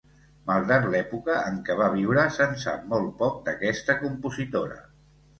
Malgrat l'època en què va viure, se'n sap molt poc d'aquesta compositora.